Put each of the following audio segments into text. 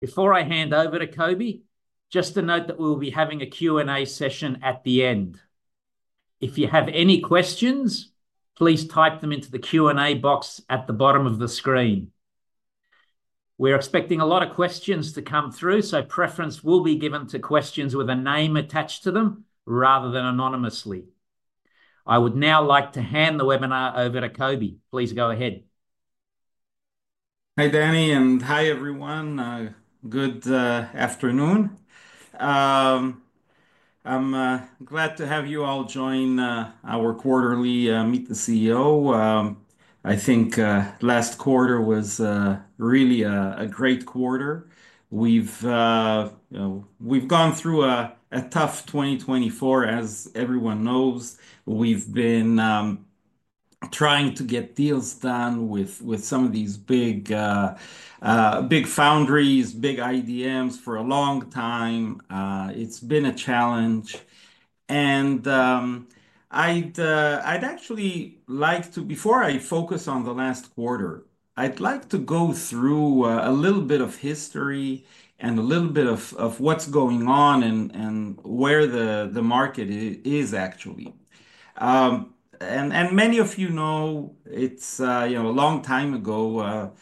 Before I hand over to Coby, just to note that we will be having a Q&A session at the end. If you have any questions, please type them into the Q&A box at the bottom of the screen. We're expecting a lot of questions to come through, so preference will be given to questions with a name attached to them rather than anonymously. I would now like to hand the webinar over to Coby. Please go ahead. Hey, Danny, and hi, everyone. Good afternoon. I'm glad to have you all join our quarterly Meet the CEO. I think last quarter was really a great quarter. We've gone through a tough 2024, as everyone knows. We've been trying to get deals done with some of these big foundries, big IDMs for a long time. It's been a challenge, and I'd actually like to, before I focus on the last quarter, I'd like to go through a little bit of history and a little bit of what's going on and where the market is, actually, and many of you know it's a long time ago,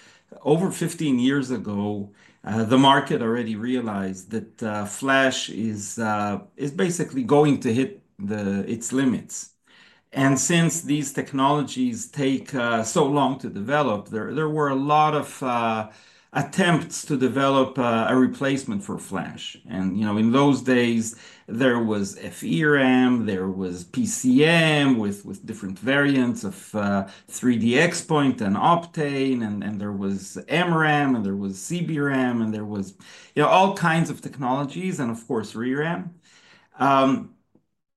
over 15 years ago, the market already realized that Flash is basically going to hit its limits, and since these technologies take so long to develop, there were a lot of attempts to develop a replacement for Flash. In those days, there was FeRAM. There was PCM with different variants of 3D XPoint and Optane, and there was MRAM, and there was CBRAM, and there was all kinds of technologies, and of course, ReRAM.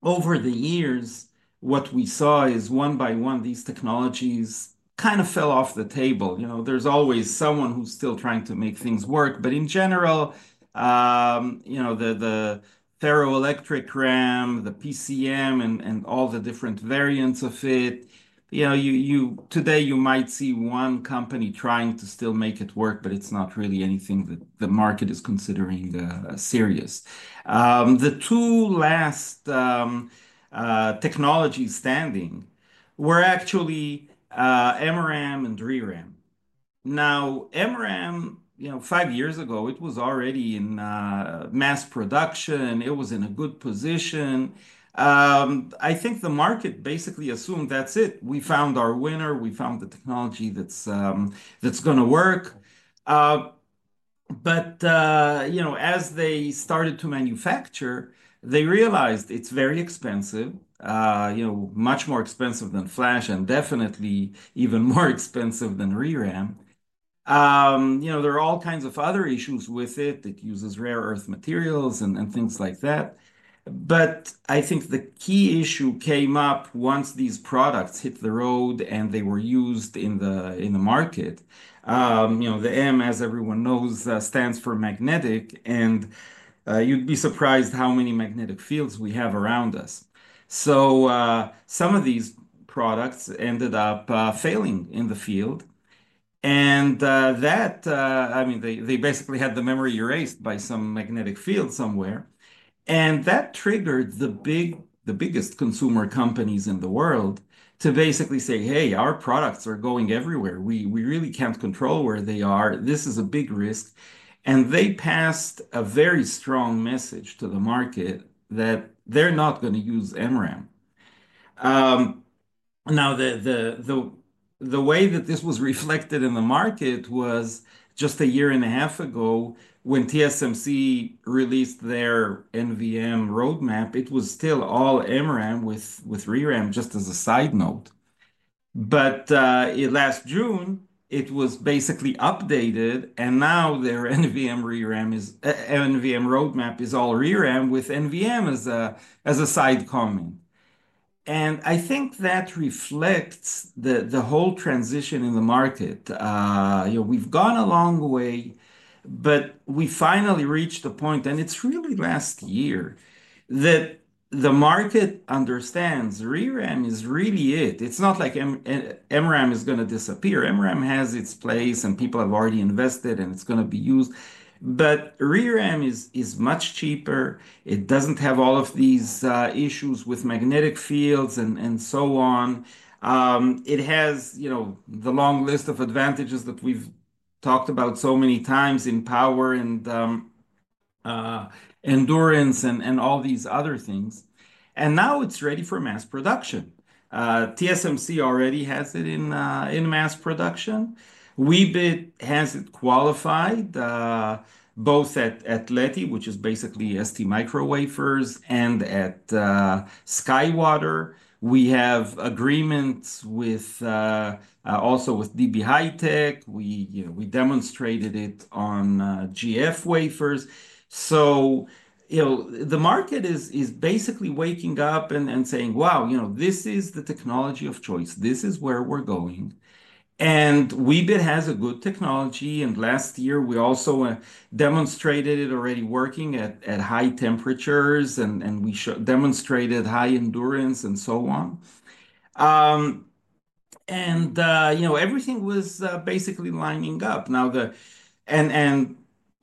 Over the years, what we saw is one by one, these technologies kind of fell off the table. There's always someone who's still trying to make things work. But in general, the ferroelectric RAM, the PCM, and all the different variants of it, today, you might see one company trying to still make it work, but it's not really anything that the market is considering serious. The two last technologies standing were actually MRAM and ReRAM. Now, MRAM, five years ago, it was already in mass production. It was in a good position. I think the market basically assumed that's it. We found our winner. We found the technology that's going to work. But as they started to manufacture, they realized it's very expensive, much more expensive than Flash, and definitely even more expensive than ReRAM. There are all kinds of other issues with it. It uses rare earth materials and things like that. But I think the key issue came up once these products hit the road and they were used in the market. The M, as everyone knows, stands for magnetic. And you'd be surprised how many magnetic fields we have around us. So some of these products ended up failing in the field. And that, I mean, they basically had the memory erased by some magnetic field somewhere. And that triggered the biggest consumer companies in the world to basically say, "Hey, our products are going everywhere. We really can't control where they are. This is a big risk," and they passed a very strong message to the market that they're not going to use MRAM. Now, the way that this was reflected in the market was just a year and a half ago when TSMC released their NVM roadmap. It was still all MRAM with ReRAM just as a side note, but last June, it was basically updated, and now their NVM roadmap is all ReRAM with NVM as a side comment. And I think that reflects the whole transition in the market. We've gone a long way, but we finally reached a point, and it's really last year, that the market understands ReRAM is really it. It's not like MRAM is going to disappear. MRAM has its place, and people have already invested, and it's going to be used, but ReRAM is much cheaper. It doesn't have all of these issues with magnetic fields and so on. It has the long list of advantages that we've talked about so many times in power and endurance and all these other things. And now it's ready for mass production. TSMC already has it in mass production. Weebit has it qualified, both at Leti, which is basically STMicro's wafers, and at SkyWater. We have agreements also with DB HiTek. We demonstrated it on GF wafers. So the market is basically waking up and saying, "Wow, this is the technology of choice. This is where we're going." And Weebit has a good technology. And last year, we also demonstrated it already working at high temperatures, and we demonstrated high endurance and so on. And everything was basically lining up.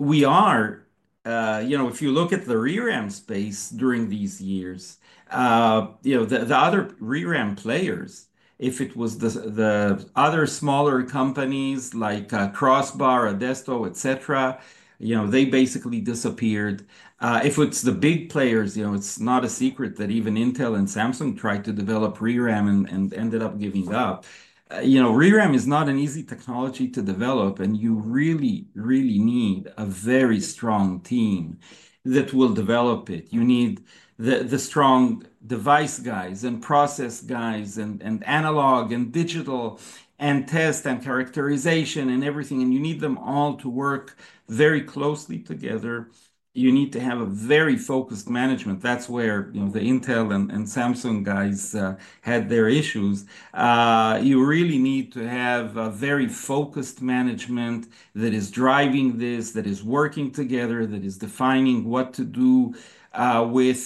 We are, if you look at the ReRAM space during these years, the other ReRAM players, if it was the other smaller companies like CrossBar, Adesto, et cetera, they basically disappeared. If it's the big players, it's not a secret that even Intel and Samsung tried to develop ReRAM and ended up giving up. ReRAM is not an easy technology to develop, and you really, really need a very strong team that will develop it. You need the strong device guys and process guys and analog and digital and test and characterization and everything. And you need them all to work very closely together. You need to have a very focused management. That's where the Intel and Samsung guys had their issues. You really need to have a very focused management that is driving this, that is working together, that is defining what to do with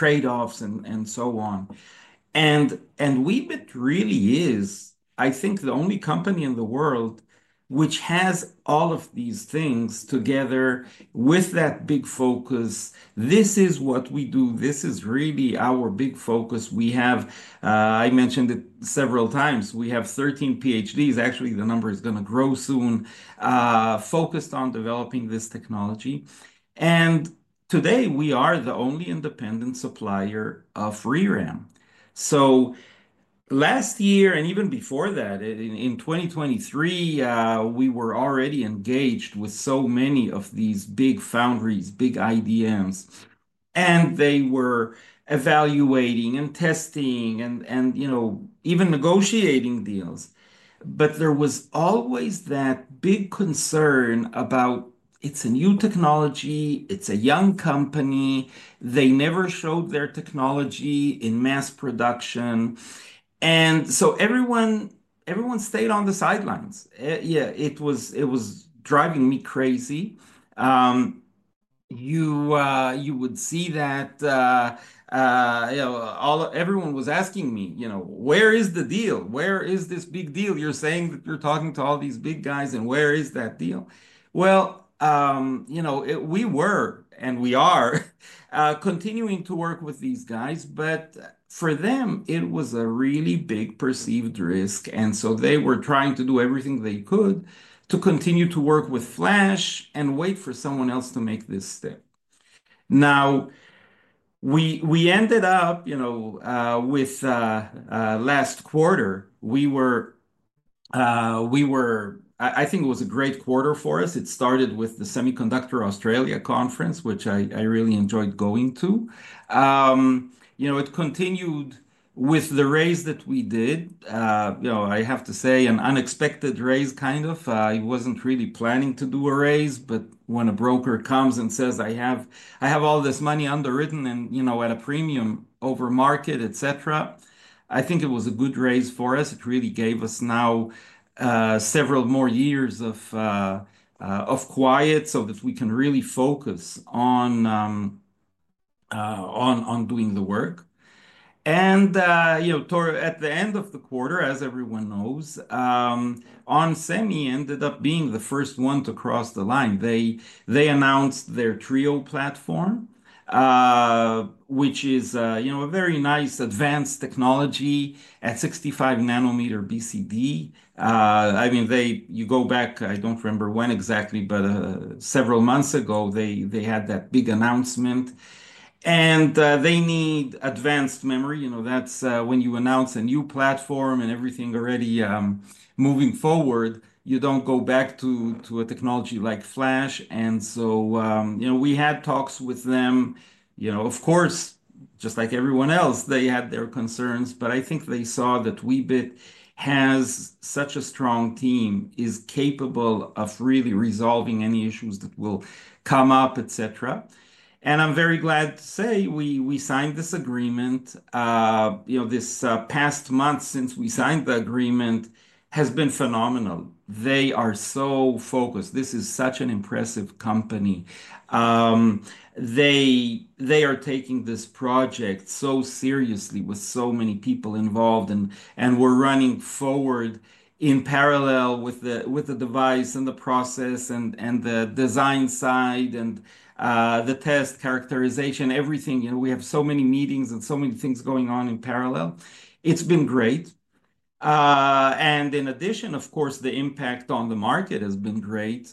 trade-offs and so on. And Weebit really is, I think, the only company in the world which has all of these things together with that big focus. This is what we do. This is really our big focus. I mentioned it several times. We have 13 PhDs. Actually, the number is going to grow soon, focused on developing this technology. And today, we are the only independent supplier of ReRAM. So last year, and even before that, in 2023, we were already engaged with so many of these big foundries, big IDMs. And they were evaluating and testing and even negotiating deals. But there was always that big concern about it's a new technology. It's a young company. They never showed their technology in mass production. And so everyone stayed on the sidelines. Yeah, it was driving me crazy. You would see that everyone was asking me, "Where is the deal? Where is this big deal? You're saying that you're talking to all these big guys, and where is that deal?" Well, we were, and we are, continuing to work with these guys. But for them, it was a really big perceived risk. And so they were trying to do everything they could to continue to work with Flash and wait for someone else to make this step. Now, we ended up with last quarter. I think it was a great quarter for us. It started with the Semiconductor Australia Conference, which I really enjoyed going to. It continued with the raise that we did. I have to say, an unexpected raise kind of. I wasn't really planning to do a raise, but when a broker comes and says, "I have all this money underwritten and at a premium over market," et cetera, I think it was a good raise for us. It really gave us now several more years of quiet so that we can really focus on doing the work. And at the end of the quarter, as everyone knows, onsemi ended up being the first one to cross the line. They announced their Treo Platform, which is a very nice advanced technology at 65 nm BCD. I mean, you go back, I don't remember when exactly, but several months ago, they had that big announcement. And they need advanced memory. That's when you announce a new platform and everything already moving forward, you don't go back to a technology like Flash. And so we had talks with them. Of course, just like everyone else, they had their concerns, but I think they saw that Weebit has such a strong team, is capable of really resolving any issues that will come up, et cetera, and I'm very glad to say we signed this agreement. This past month since we signed the agreement has been phenomenal. They are so focused. This is such an impressive company. They are taking this project so seriously with so many people involved, and we're running forward in parallel with the device and the process and the design side and the test characterization, everything. We have so many meetings and so many things going on in parallel. It's been great, and in addition, of course, the impact on the market has been great.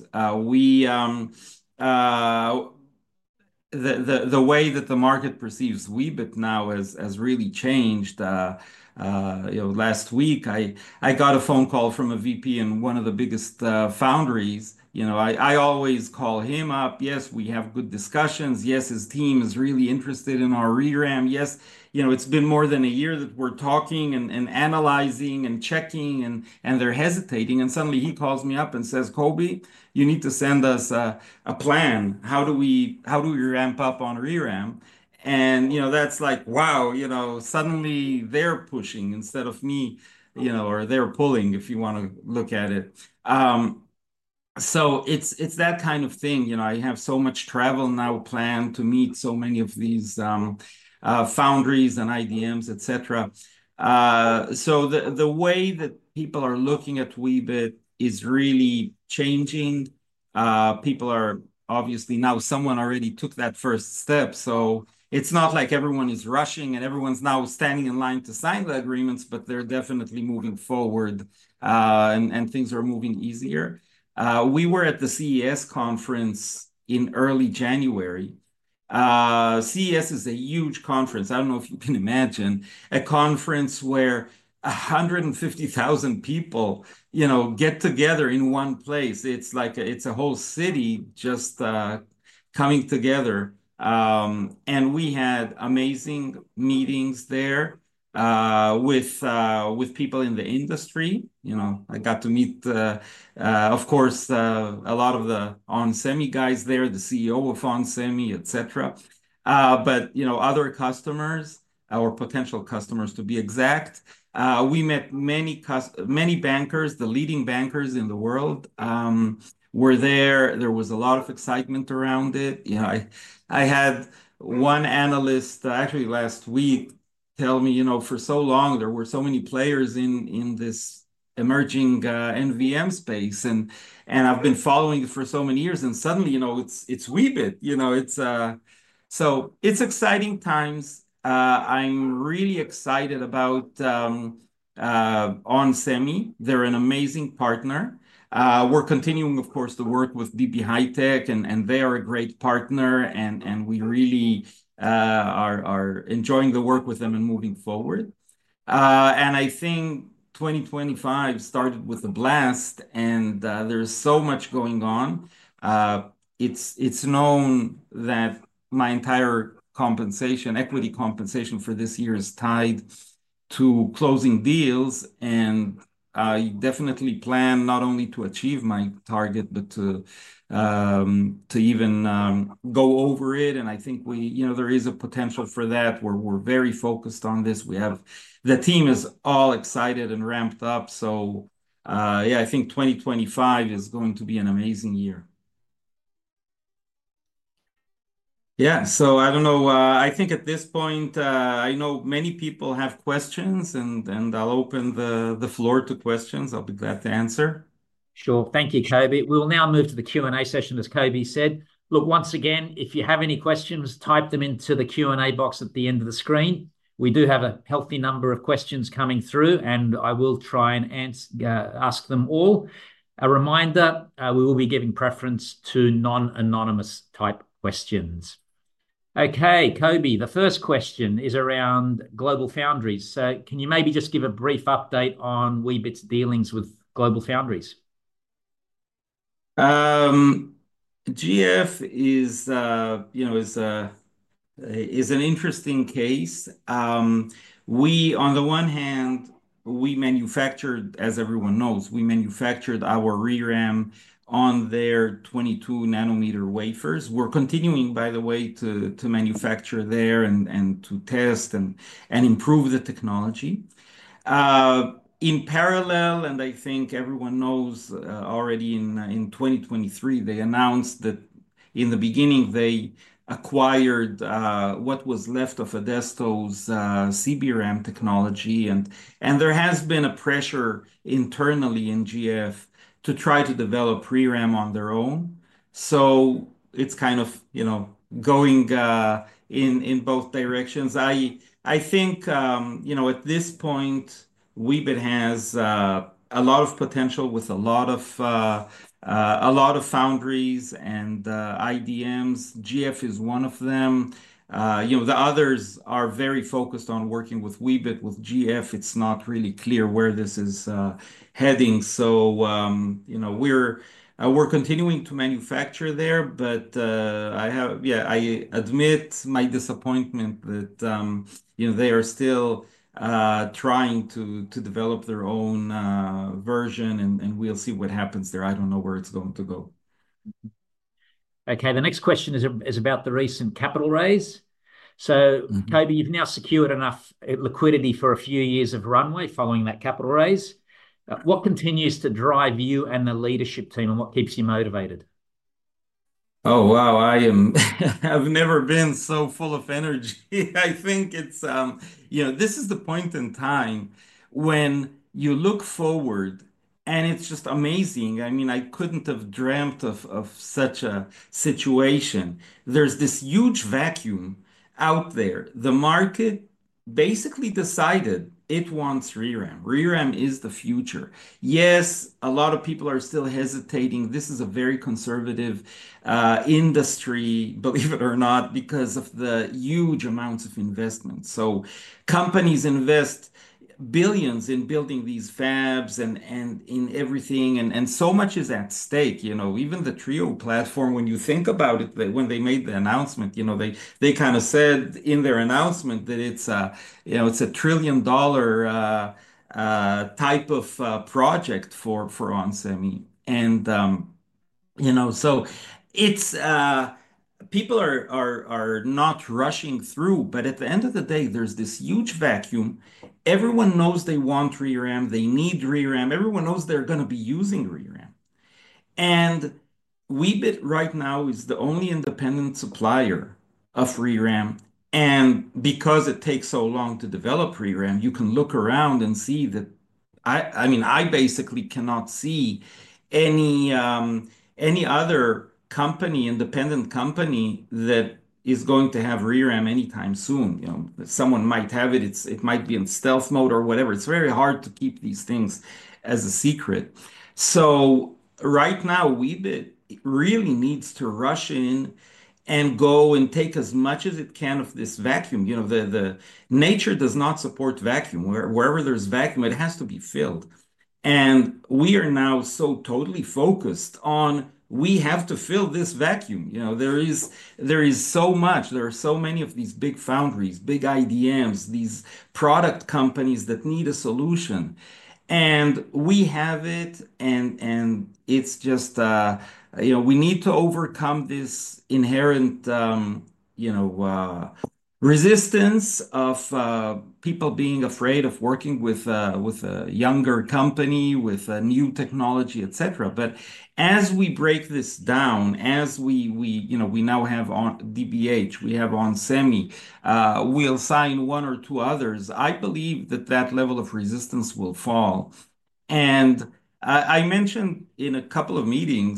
The way that the market perceives Weebit now has really changed. Last week, I got a phone call from a VP in one of the biggest foundries. I always call him up. Yes, we have good discussions. Yes, his team is really interested in our ReRAM. Yes, it's been more than a year that we're talking and analyzing and checking, and they're hesitating, and suddenly, he calls me up and says, "Coby, you need to send us a plan. How do we ramp up on ReRAM?" That's like, "Wow, suddenly, they're pushing instead of me," or they're pulling, if you want to look at it, so it's that kind of thing. I have so much travel now planned to meet so many of these foundries and IDMs, et cetera, so the way that people are looking at Weebit is really changing. People are obviously now someone already took that first step. So it's not like everyone is rushing and everyone's now standing in line to sign the agreements, but they're definitely moving forward and things are moving easier. We were at the CES conference in early January. CES is a huge conference. I don't know if you can imagine a conference where 150,000 people get together in one place. It's like a whole city just coming together. And we had amazing meetings there with people in the industry. I got to meet, of course, a lot of the onsemi guys there, the CEO of onsemi, et cetera. But other customers, our potential customers, to be exact. We met many bankers, the leading bankers in the world were there. There was a lot of excitement around it. I had one analyst, actually, last week, tell me, "For so long, there were so many players in this emerging NVM space. I've been following it for so many years. And suddenly, it's Weebit." So it's exciting times. I'm really excited about onsemi. They're an amazing partner. We're continuing, of course, to work with DB HiTek, and they are a great partner. And we really are enjoying the work with them and moving forward. And I think 2025 started with a blast, and there's so much going on. It's known that my entire equity compensation for this year is tied to closing deals. And I definitely plan not only to achieve my target, but to even go over it. And I think there is a potential for that. We're very focused on this. The team is all excited and ramped up. So yeah, I think 2025 is going to be an amazing year. Yeah. So I don't know. I think at this point, I know many people have questions, and I'll open the floor to questions. I'll be glad to answer. Sure. Thank you, Coby. We'll now move to the Q&A session, as Coby said. Look, once again, if you have any questions, type them into the Q&A box at the end of the screen. We do have a healthy number of questions coming through, and I will try and ask them all. A reminder, we will be giving preference to non-anonymous type questions. Okay, Coby, the first question is around GlobalFoundries. So can you maybe just give a brief update on Weebit's dealings with GlobalFoundries? GF is an interesting case. On the one hand, as everyone knows, we manufactured our ReRAM on their 22 nm wafers. We're continuing, by the way, to manufacture there and to test and improve the technology. In parallel, and I think everyone knows already in 2023, they announced that in the beginning, they acquired what was left of Adesto's CBRAM technology. And there has been a pressure internally in GF to try to develop ReRAM on their own. So it's kind of going in both directions. I think at this point, Weebit has a lot of potential with a lot of foundries and IDMs. GF is one of them. The others are very focused on working with Weebit. With GF, it's not really clear where this is heading. So we're continuing to manufacture there. But yeah, I admit my disappointment that they are still trying to develop their own version, and we'll see what happens there. I don't know where it's going to go. Okay. The next question is about the recent capital raise. Coby, you've now secured enough liquidity for a few years of runway following that capital raise. What continues to drive you and the leadership team, and what keeps you motivated? Oh, wow. I've never been so full of energy. I think this is the point in time when you look forward, and it's just amazing. I mean, I couldn't have dreamt of such a situation. There's this huge vacuum out there. The market basically decided it wants ReRAM. ReRAM is the future. Yes, a lot of people are still hesitating. This is a very conservative industry, believe it or not, because of the huge amounts of investment. So companies invest billions in building these fabs and in everything. And so much is at stake. Even the Treo Platform, when you think about it, when they made the announcement, they kind of said in their announcement that it's a trillion-dollar type of project for onsemi. And so people are not rushing through. But at the end of the day, there's this huge vacuum. Everyone knows they want ReRAM. They need ReRAM. Everyone knows they're going to be using ReRAM. And Weebit right now is the only independent supplier of ReRAM. And because it takes so long to develop ReRAM, you can look around and see that I basically cannot see any other independent company that is going to have ReRAM anytime soon. Someone might have it. It might be in stealth mode or whatever. It's very hard to keep these things as a secret. So right now, Weebit really needs to rush in and go and take as much as it can of this vacuum. The nature does not support vacuum. Wherever there's vacuum, it has to be filled. And we are now so totally focused on we have to fill this vacuum. There is so much. There are so many of these big foundries, big IDMs, these product companies that need a solution. And we have it, and it's just we need to overcome this inherent resistance of people being afraid of working with a younger company, with new technology, et cetera. But as we break this down, as we now have DBH, we have onsemi, we'll sign one or two others, I believe that that level of resistance will fall. And I mentioned in a couple of meetings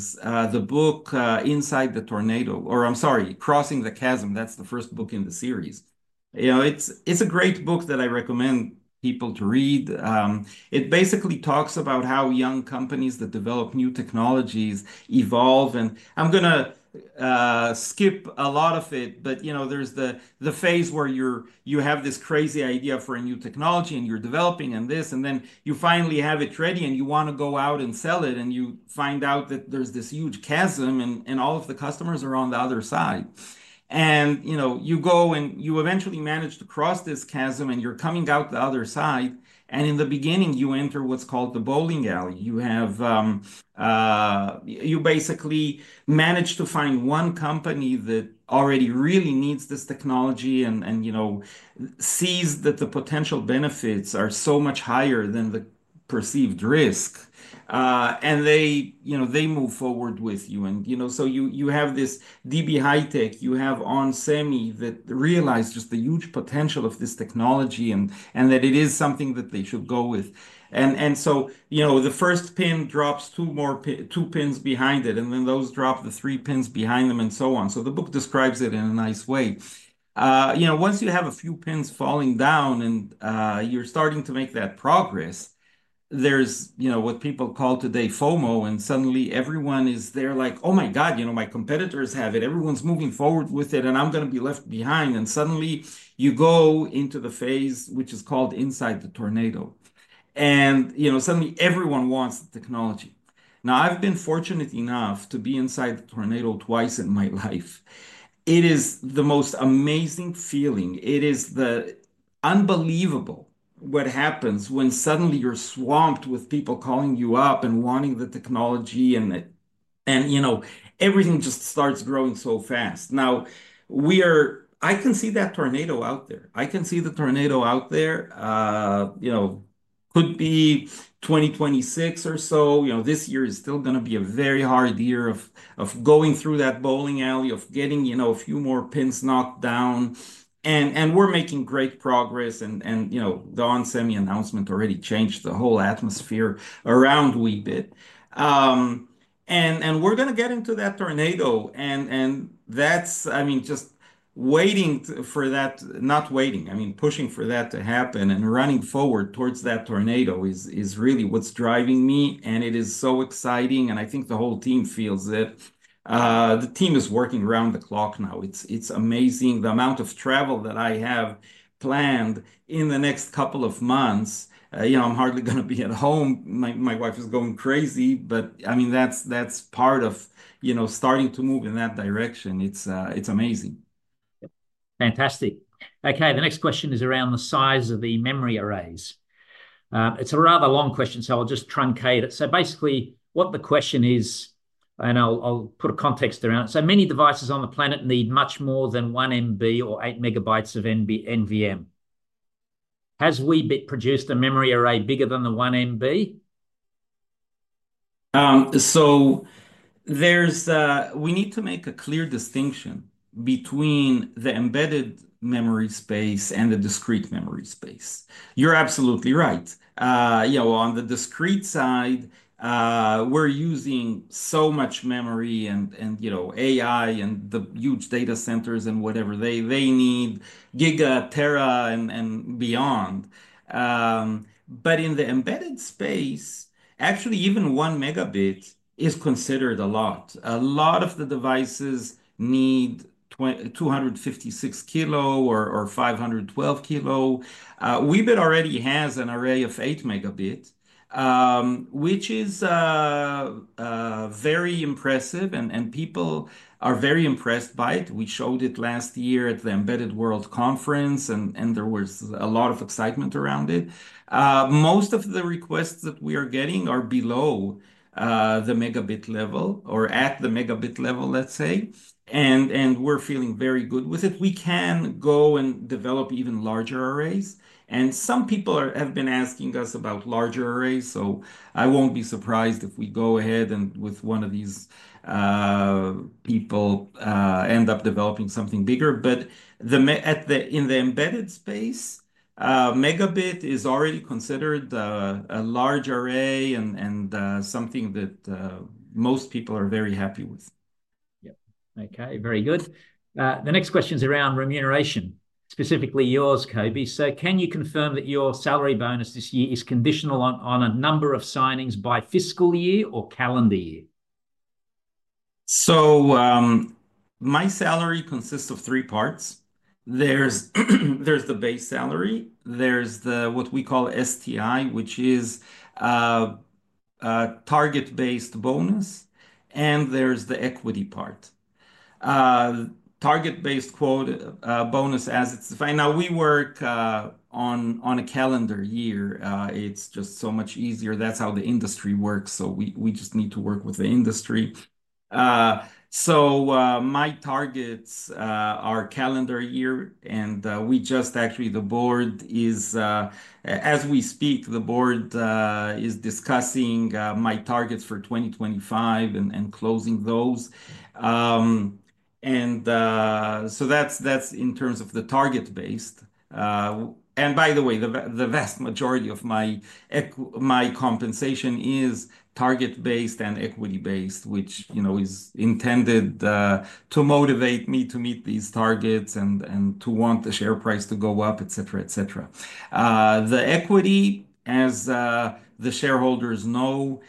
the book Inside the Tornado, or I'm sorry, Crossing the Chasm. That's the first book in the series. It's a great book that I recommend people to read. It basically talks about how young companies that develop new technologies evolve. And I'm going to skip a lot of it, but there's the phase where you have this crazy idea for a new technology, and you're developing this, and then you finally have it ready, and you want to go out and sell it, and you find out that there's this huge chasm, and all of the customers are on the other side. And you go and you eventually manage to cross this chasm, and you're coming out the other side. And in the beginning, you enter what's called the bowling alley. You basically manage to find one company that already really needs this technology and sees that the potential benefits are so much higher than the perceived risk. And they move forward with you. You have this DB HiTek. You have onsemi that realized just the huge potential of this technology and that it is something that they should go with. The first pin drops two pins behind it, and then those drop the three pins behind them and so on. The book describes it in a nice way. Once you have a few pins falling down and you're starting to make that progress, there's what people call today FOMO, and suddenly, everyone is there like, "Oh my God, my competitors have it. Everyone's moving forward with it, and I'm going to be left behind." Suddenly, you go into the phase which is called Inside the Tornado. Suddenly, everyone wants the technology. Now, I've been fortunate enough to be inside the tornado twice in my life. It is the most amazing feeling. It's unbelievable what happens when suddenly you're swamped with people calling you up and wanting the technology, and everything just starts growing so fast. Now, I can see that tornado out there. I can see the tornado out there. Could be 2026 or so. This year is still going to be a very hard year of going through that bowling alley, of getting a few more pins knocked down, and we're making great progress, and the onsemi announcement already changed the whole atmosphere around Weebit, and we're going to get into that tornado, and that's, I mean, just waiting for that, not waiting, I mean, pushing for that to happen and running forward towards that tornado is really what's driving me, and it is so exciting, and I think the whole team feels it. The team is working around the clock now. It's amazing. The amount of travel that I have planned in the next couple of months, I'm hardly going to be at home. My wife is going crazy. But I mean, that's part of starting to move in that direction. It's amazing. Fantastic. Okay. The next question is around the size of the memory arrays. It's a rather long question, so I'll just truncate it. So basically, what the question is, and I'll put context around it. So many devices on the planet need much more than 1 MB or 8 MB of NVM. Has Weebit produced a memory array bigger than the 1 MB? So we need to make a clear distinction between the embedded memory space and the discrete memory space. You're absolutely right. On the discrete side, we're using so much memory and AI and the huge data centers and whatever they need, giga, tera, and beyond. But in the embedded space, actually, even one megabit is considered a lot. A lot of the devices need 256 kB or 512 kB. Weebit already has an array of 8 Mb, which is very impressive, and people are very impressed by it. We showed it last year at the Embedded World Conference, and there was a lot of excitement around it. Most of the requests that we are getting are below the megabit level or at the megabit level, let's say. And we're feeling very good with it. We can go and develop even larger arrays. And some people have been asking us about larger arrays. So I won't be surprised if we go ahead and with one of these people end up developing something bigger. But in the embedded space, megabit is already considered a large array and something that most people are very happy with. Yeah. Okay. Very good. The next question is around remuneration, specifically yours, Coby. So can you confirm that your salary bonus this year is conditional on a number of signings by fiscal year or calendar year? So my salary consists of three parts. There's the base salary. There's what we call STI, which is target-based bonus. And there's the equity part, target-based quote bonus as it's defined. Now, we work on a calendar year. It's just so much easier. That's how the industry works. So we just need to work with the industry. So my targets are calendar year. And we just actually, the board is, as we speak, the board is discussing my targets for 2025 and closing those. And so that's in terms of the target-based. By the way, the vast majority of my compensation is target-based and equity-based, which is intended to motivate me to meet these targets and to want the share price to go up, et cetera, et cetera. The equity, as the shareholders know,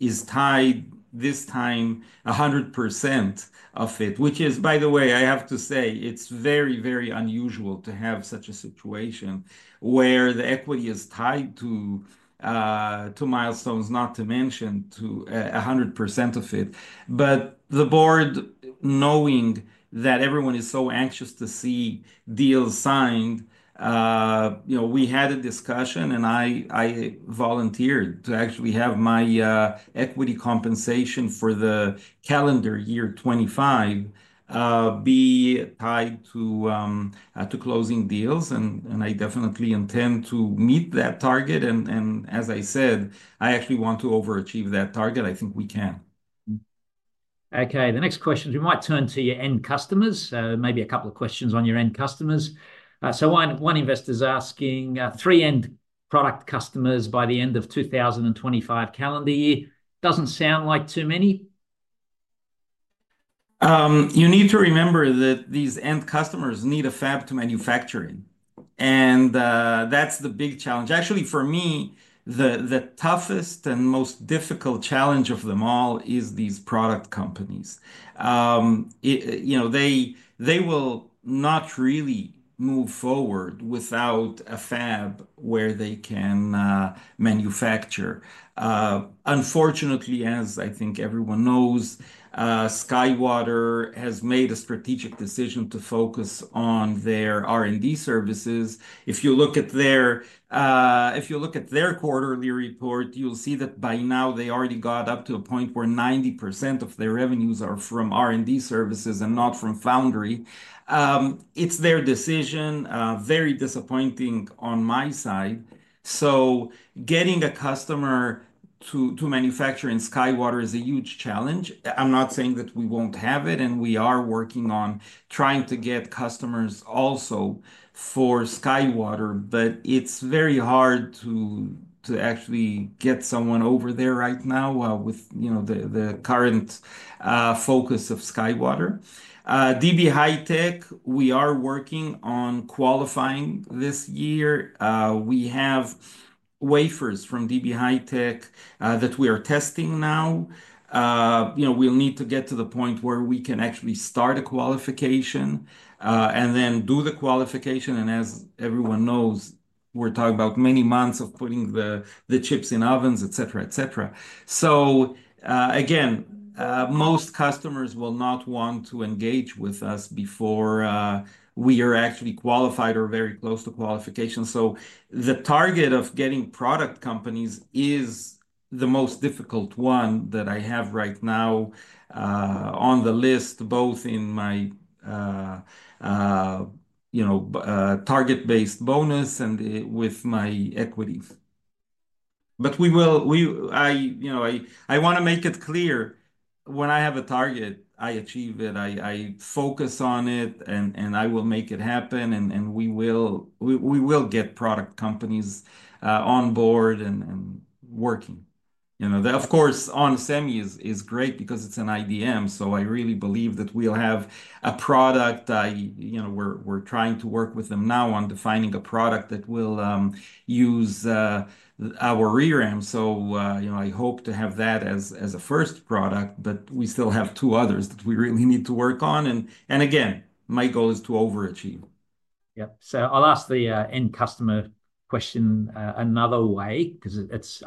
is tied this time 100% of it, which is, by the way, I have to say, it's very, very unusual to have such a situation where the equity is tied to milestones, not to mention to 100% of it. The board, knowing that everyone is so anxious to see deals signed, we had a discussion, and I volunteered to actually have my equity compensation for the calendar year 2025 be tied to closing deals. I definitely intend to meet that target. As I said, I actually want to overachieve that target. I think we can. Okay. The next question is we might turn to your end customers. Maybe a couple of questions on your end customers. So one investor's asking, "Three end product customers by the end of 2025 calendar year. Doesn't sound like too many." You need to remember that these end customers need a fab to manufacture it. And that's the big challenge. Actually, for me, the toughest and most difficult challenge of them all is these product companies. They will not really move forward without a fab where they can manufacture. Unfortunately, as I think everyone knows, SkyWater has made a strategic decision to focus on their R&D services. If you look at their quarterly report, you'll see that by now, they already got up to a point where 90% of their revenues are from R&D services and not from foundry. It's their decision. Very disappointing on my side. So getting a customer to manufacture in SkyWater is a huge challenge. I'm not saying that we won't have it, and we are working on trying to get customers also for SkyWater, but it's very hard to actually get someone over there right now with the current focus of SkyWater. DB HiTek, we are working on qualifying this year. We have wafers from DB HiTek that we are testing now. We'll need to get to the point where we can actually start a qualification and then do the qualification. And as everyone knows, we're talking about many months of putting the chips in ovens, et cetera, et cetera. So again, most customers will not want to engage with us before we are actually qualified or very close to qualification. So the target of getting product companies is the most difficult one that I have right now on the list, both in my target-based bonus and with my equities. But I want to make it clear when I have a target, I achieve it. I focus on it, and I will make it happen. And we will get product companies on board and working. Of course, onsemi is great because it's an IDM. So I really believe that we'll have a product. We're trying to work with them now on defining a product that will use our ReRAM. So I hope to have that as a first product, but we still have two others that we really need to work on. And again, my goal is to overachieve. Yep. So I'll ask the end customer question another way because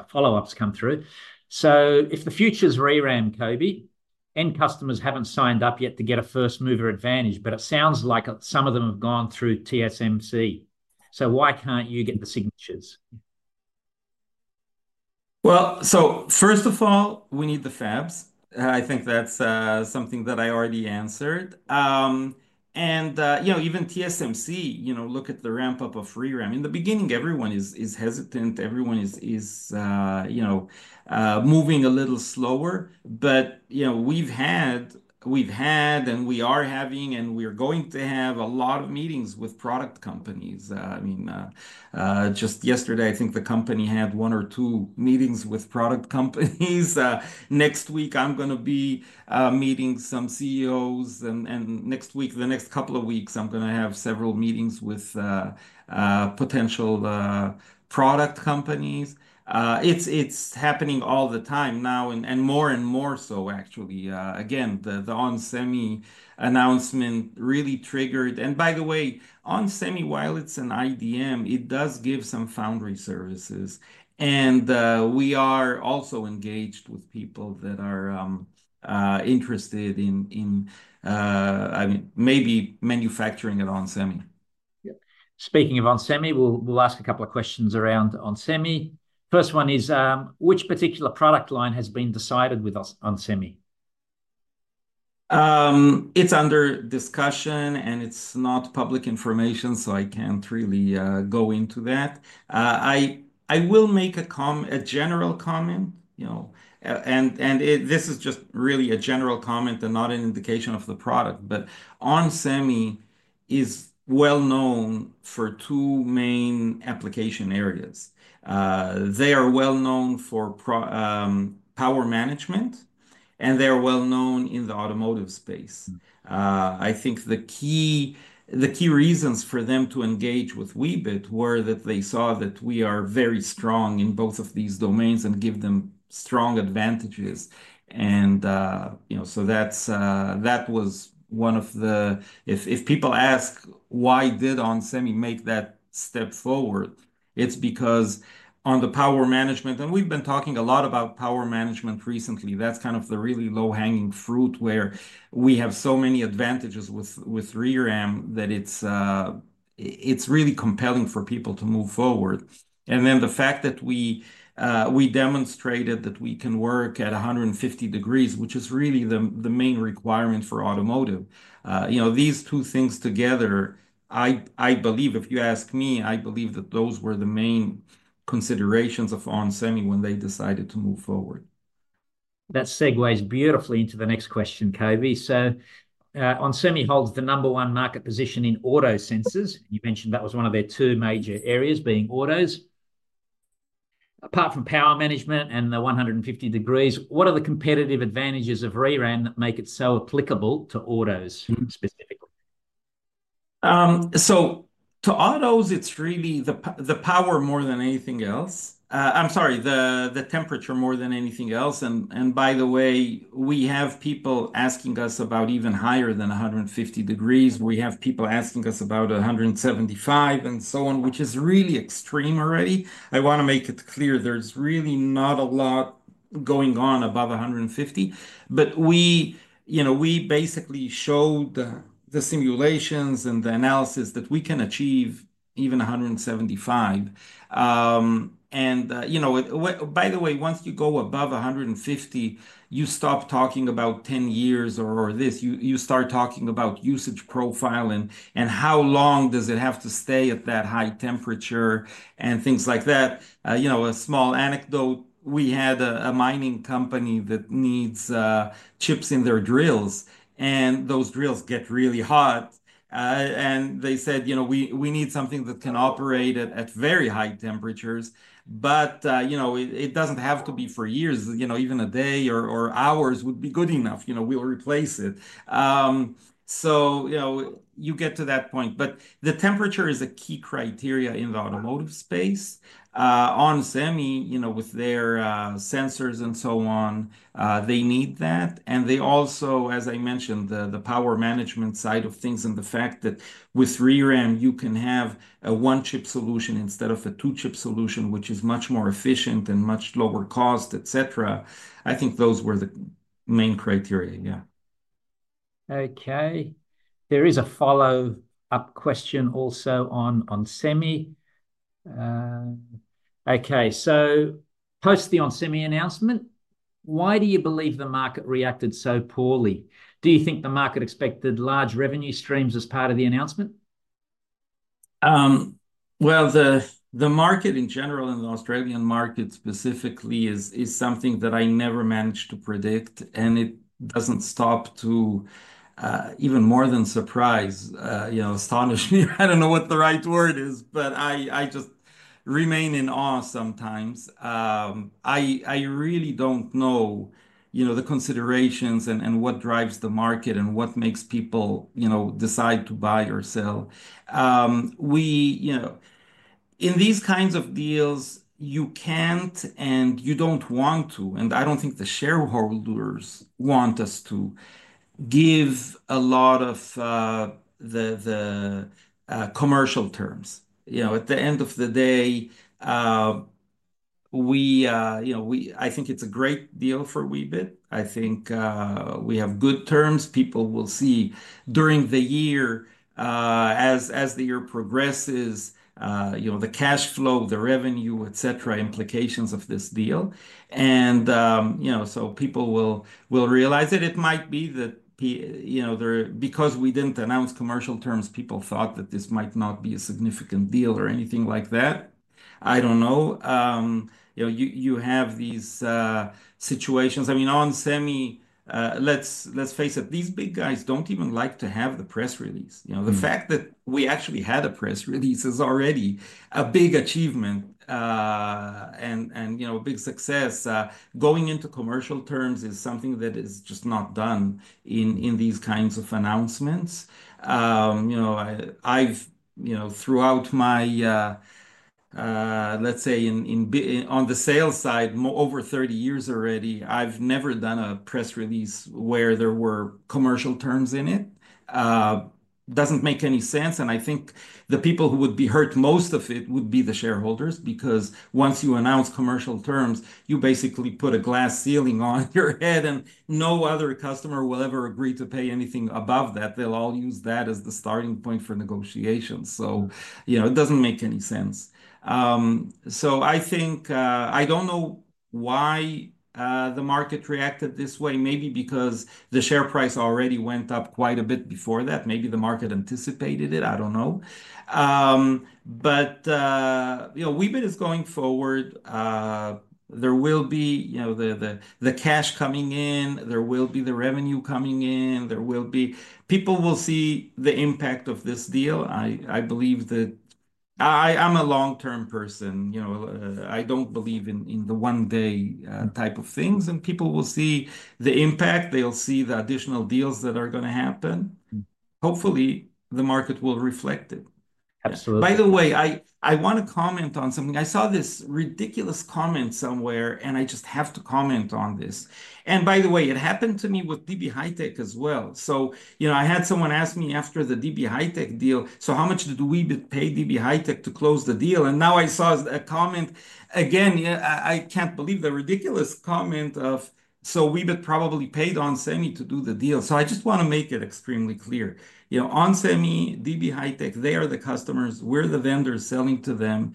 follow-ups come through. So if the future is ReRAM, Coby, end customers haven't signed up yet to get a first mover advantage, but it sounds like some of them have gone through TSMC. So why can't you get the signatures? Well, so first of all, we need the fabs. I think that's something that I already answered. And even TSMC, look at the ramp-up of ReRAM. In the beginning, everyone is hesitant. Everyone is moving a little slower. But we've had, and we are having, and we're going to have a lot of meetings with product companies. I mean, just yesterday, I think the company had one or two meetings with product companies. Next week, I'm going to be meeting some CEOs. And next week, the next couple of weeks, I'm going to have several meetings with potential product companies. It's happening all the time now and more and more so, actually. Again, the onsemi announcement really triggered, and by the way, onsemi, while it's an IDM, it does give some foundry services. And we are also engaged with people that are interested in, I mean, maybe manufacturing at onsemi. Yep. Speaking of onsemi, we'll ask a couple of questions around onsemi. First one is, which particular product line has been decided with onsemi? It's under discussion, and it's not public information, so I can't really go into that. I will make a general comment, and this is just really a general comment and not an indication of the product, but onsemi is well known for two main application areas. They are well known for power management, and they are well known in the automotive space. I think the key reasons for them to engage with Weebit were that they saw that we are very strong in both of these domains and give them strong advantages. So that was one of the if people ask, "Why did onsemi make that step forward?" It's because on the power management, and we've been talking a lot about power management recently, that's kind of the really low-hanging fruit where we have so many advantages with ReRAM that it's really compelling for people to move forward. Then the fact that we demonstrated that we can work at 150 degrees, which is really the main requirement for automotive. These two things together, I believe, if you ask me, I believe that those were the main considerations of onsemi when they decided to move forward. That segues beautifully into the next question, Coby. So onsemi holds the number one market position in auto sensors. You mentioned that was one of their two major areas being autos. Apart from power management and the 150 degrees, what are the competitive advantages of ReRAM that make it so applicable to autos specifically? So to autos, it's really the power more than anything else. I'm sorry, the temperature more than anything else. And by the way, we have people asking us about even higher than 150 degrees. We have people asking us about 175 and so on, which is really extreme already. I want to make it clear. There's really not a lot going on above 150. But we basically showed the simulations and the analysis that we can achieve even 175. And by the way, once you go above 150, you stop talking about 10 years or this. You start talking about usage profile and how long does it have to stay at that high temperature and things like that. A small anecdote, we had a mining company that needs chips in their drills, and those drills get really hot. And they said, "We need something that can operate at very high temperatures, but it doesn't have to be for years. Even a day or hours would be good enough. We'll replace it." So you get to that point. But the temperature is a key criteria in the automotive space. onsemi, with their sensors and so on, they need that. And they also, as I mentioned, the power management side of things and the fact that with ReRAM, you can have a one-chip solution instead of a two-chip solution, which is much more efficient and much lower cost, et cetera. I think those were the main criteria. There is a follow-up question also on onsemi. Okay. So post the onsemi announcement, why do you believe the market reacted so poorly? Do you think the market expected large revenue streams as part of the announcement? Well, the market in general, in the Australian market specifically, is something that I never managed to predict. And it doesn't stop to even more than surprise, astonish me. I don't know what the right word is, but I just remain in awe sometimes. I really don't know the considerations and what drives the market and what makes people decide to buy or sell. In these kinds of deals, you can't and you don't want to. And I don't think the shareholders want us to give a lot of the commercial terms. At the end of the day, I think it's a great deal for Weebit. I think we have good terms. People will see during the year, as the year progresses, the cash flow, the revenue, et cetera, implications of this deal, and so people will realize that it might be that because we didn't announce commercial terms, people thought that this might not be a significant deal or anything like that. I don't know. You have these situations. I mean, onsemi, let's face it, these big guys don't even like to have the press release. The fact that we actually had a press release is already a big achievement and a big success. Going into commercial terms is something that is just not done in these kinds of announcements. Throughout my, let's say, on the sales side, over 30 years already, I've never done a press release where there were commercial terms in it. Doesn't make any sense. I think the people who would be hurt most of it would be the shareholders because once you announce commercial terms, you basically put a glass ceiling on your head, and no other customer will ever agree to pay anything above that. They'll all use that as the starting point for negotiations. So it doesn't make any sense. So I think I don't know why the market reacted this way. Maybe because the share price already went up quite a bit before that. Maybe the market anticipated it. I don't know. But Weebit is going forward. There will be the cash coming in. There will be the revenue coming in. People will see the impact of this deal. I believe that I'm a long-term person. I don't believe in the one-day type of things. And people will see the impact. They'll see the additional deals that are going to happen. Hopefully, the market will reflect it. Absolutely. By the way, I want to comment on something. I saw this ridiculous comment somewhere, and I just have to comment on this, and by the way, it happened to me with DB HiTek as well, so I had someone ask me after the DB HiTek deal, "So how much did Weebit pay DB HiTek to close the deal?", and now I saw a comment. Again, I can't believe the ridiculous comment of, "So Weebit probably paid onsemi to do the deal.", so I just want to make it extremely clear. onsemi, DB HiTek, they are the customers. We're the vendors selling to them.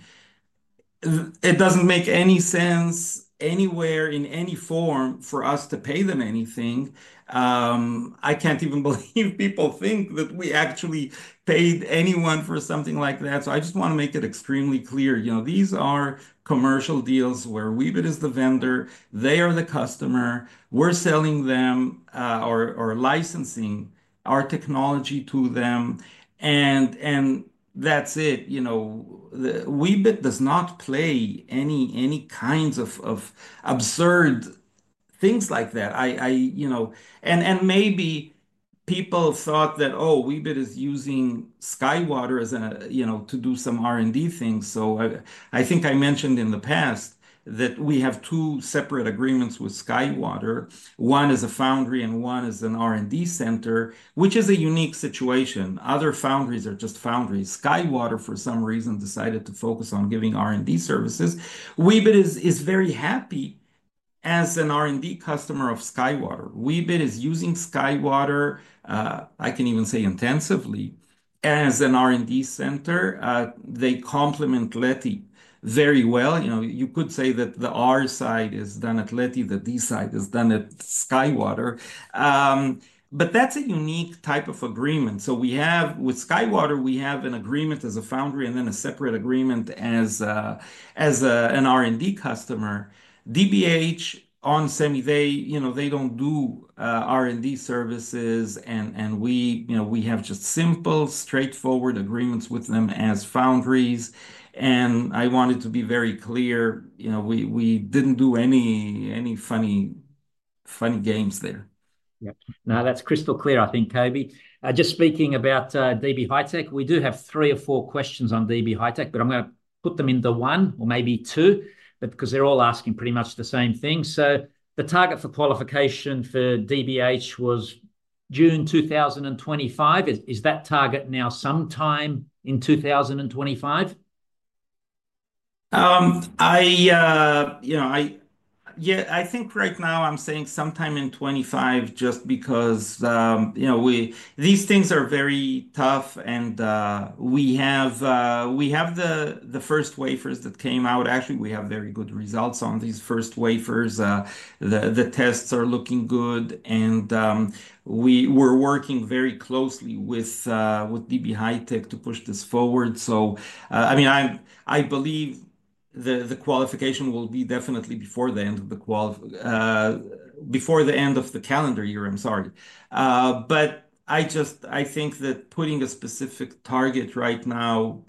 It doesn't make any sense anywhere in any form for us to pay them anything. I can't even believe people think that we actually paid anyone for something like that. So I just want to make it extremely clear. These are commercial deals where Weebit is the vendor. They are the customer. We're selling them or licensing our technology to them. And that's it. Weebit does not play any kinds of absurd things like that. And maybe people thought that, "Oh, Weebit is using SkyWater to do some R&D things." So I think I mentioned in the past that we have two separate agreements with SkyWater. One is a foundry, and one is an R&D center, which is a unique situation. Other foundries are just foundries. SkyWater, for some reason, decided to focus on giving R&D services. Weebit is very happy as an R&D customer of SkyWater. Weebit is using SkyWater, I can even say intensively, as an R&D center. They complement Leti very well. You could say that the R side is done at Leti, the D side is done at SkyWater. But that's a unique type of agreement. So with SkyWater, we have an agreement as a foundry and then a separate agreement as an R&D customer. DBH, onsemi, they don't do R&D services, and we have just simple, straightforward agreements with them as foundries, and I wanted to be very clear. We didn't do any funny games there. Yep. No, that's crystal clear, I think, Coby. Just speaking about DB HiTek, we do have three or four questions on DB HiTek, but I'm going to put them into one or maybe two because they're all asking pretty much the same thing. So the target for qualification for DBH was June 2025. Is that target now sometime in 2025? Yeah, I think right now I'm saying sometime in 2025 just because these things are very tough, and we have the first wafers that came out. Actually, we have very good results on these first wafers. The tests are looking good, and we're working very closely with DB HiTek to push this forward, so I believe the qualification will be definitely before the end of the calendar year, I'm sorry. But I think that putting a specific target right now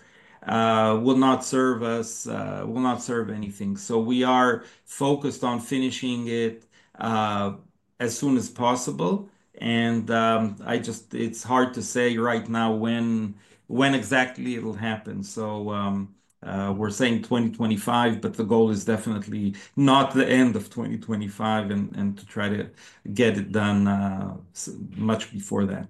will not serve us, will not serve anything, so we are focused on finishing it as soon as possible, and it's hard to say right now when exactly it'll happen, so we're saying 2025, but the goal is definitely not the end of 2025 and to try to get it done much before that.